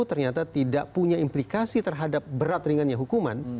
ternyata tidak punya implikasi terhadap berat ringannya hukuman